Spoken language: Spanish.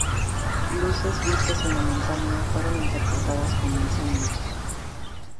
Luces vistas en la montaña fueron interpretadas como incendios.